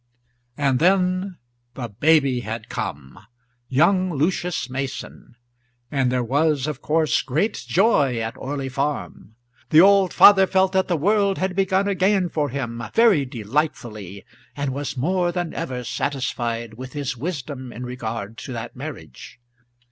And then the baby had come, young Lucius Mason, and there was of course great joy at Orley Farm. The old father felt that the world had begun again for him, very delightfully, and was more than ever satisfied with his wisdom in regard to that marriage.